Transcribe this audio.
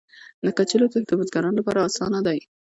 د کچالو کښت د بزګرانو لپاره اسانه دی.